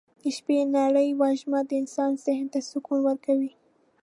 د شپې نرۍ وږمه د انسان ذهن ته سکون ورکوي.